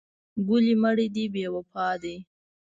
ګلې مړې دې بې وفا دي.